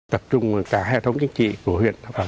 tập trung cả hệ thống chính trị của huyện